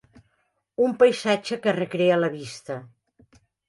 Un paisatge que recrea la vista.